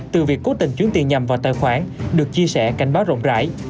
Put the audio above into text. từ việc cố tình chuyến tiền nhầm vào tài khoản được chia sẻ cảnh báo rộng rãi